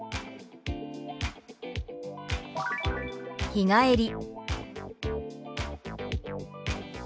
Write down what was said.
「日帰り」。